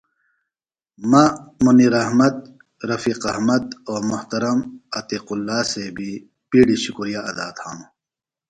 مہ منیراحمد ، رفیق احمد او محترم عتیق ﷲ صیبی بیڈیۡ شکریہ ادا تھانوࣿ ۔